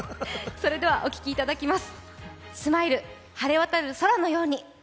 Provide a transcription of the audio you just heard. それではお聴きいただきます。